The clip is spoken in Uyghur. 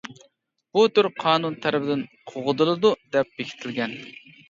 بۇ تۈر قانۇن تەرىپىدىن قوغدىلىدۇ دەپ بېكىتىلگەن.